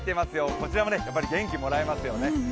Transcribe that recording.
こちらもやっぱり元気をもらえますよね。